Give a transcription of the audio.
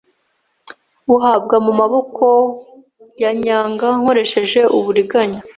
uhabwa mumaboko yanyanga nkoresheje uburiganya